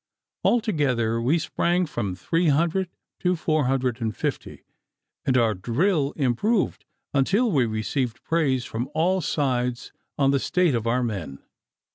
Altogether we sprang from three hundred to four hundred and fifty, and our drill improved until we received praise from all sides on the state of our men.